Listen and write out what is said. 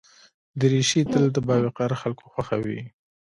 دریشي تل د باوقاره خلکو خوښه وي.